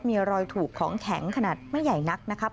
มีรอยถูกของแข็งขนาดไม่ใหญ่นักนะครับ